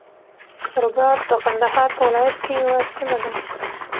رباط د قندهار په ولایت کی یوه سیمه ده.